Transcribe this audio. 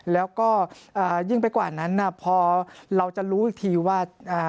แล้วก็ยิ่งไปกว่านั้นพอเราจะรู้อีกทีว่า